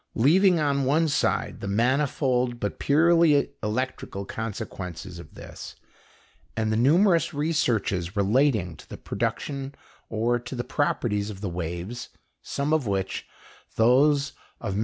Leaving on one side the manifold but purely electrical consequences of this and the numerous researches relating to the production or to the properties of the waves some of which, those of MM.